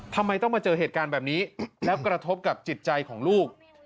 ทำไมต้องมาเจอเหตุการณ์แบบนี้แล้วกระทบกับจิตใจของลูก